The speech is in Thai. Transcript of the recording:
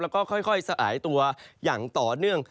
แล้วก็ค่อยสะอายตัวอย่างต่อเนื่อง